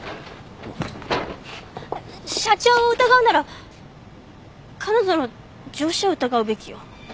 社長を疑うなら彼女の上司を疑うべきよ。